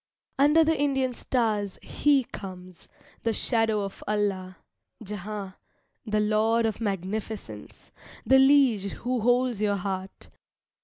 Under the Indian stars He comes, "the Shadow of Allah," Jehan, the lord of Magnificence, The liege who holds your heart.